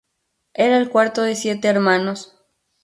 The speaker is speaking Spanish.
Era el cuarto de siete hermanos.